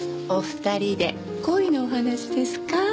お二人で恋のお話ですか？